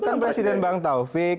kan presiden bang taufik